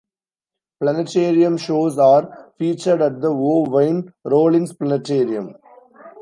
Planetarium Shows are featured at the O. Wayne Rollins Planetarium.